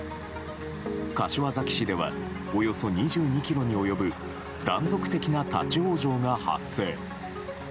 柏崎市ではおよそ２２ｋｍに及ぶ断続的な立ち往生が発生。